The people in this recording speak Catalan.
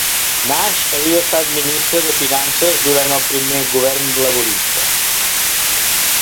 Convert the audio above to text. Nash havia estat ministre de Finances durant el primer govern laborista.